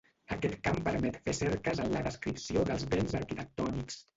Aquest camp permet fer cerques en la descripció dels béns arquitectònics.